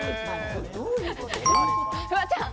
フワちゃん。